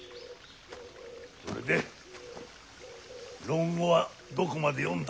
それで「論語」はどこまで読んだ？